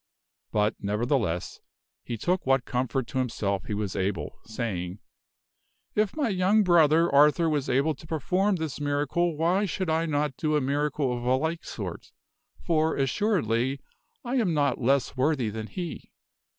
But, nevertheless, he took what comfort to himself he was able, saying, "If my young brother Arthur was able to perform this miracle why should I not do a miracle of a like sort, for, assuredly, I am not less worthy than he.